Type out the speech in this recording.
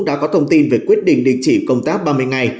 đã có thông tin về quyết định đình chỉ công tác ba mươi ngày